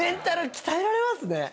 鍛えられます。